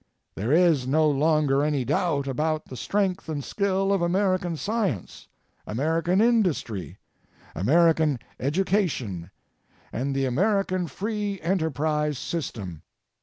There is no longer any doubt about the strength and skill of American science, American industry, American education, and the American free enterprise system.